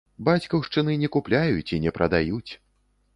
Бацькаўшчыны не купляюць і не прадаюць